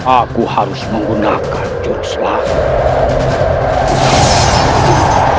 aku harus menggunakan jurus mahasiswa